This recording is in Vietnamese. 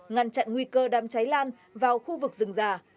ngăn chặn nguy cơ đám cháy lan vào khu vực rừng già